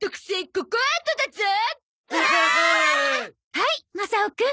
はいマサオくん。